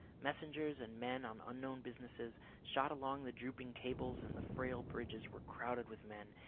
Messengers and men on unknown businesses shot along the drooping cables and the frail bridges were crowded with men.